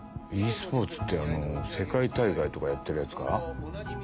ｅスポーツってあの世界大会とかやってるやつか？